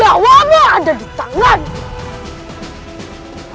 jawamu ada di tanganmu